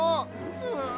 ふん！